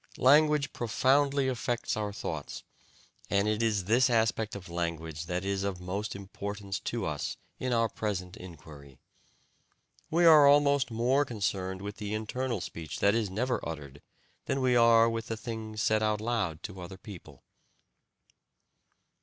Language profoundly affects our thoughts, and it is this aspect of language that is of most importance to us in our present inquiry. We are almost more concerned with the internal speech that is never uttered than we are with the things said out loud to other people.